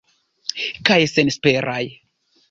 Kaj senesperaj.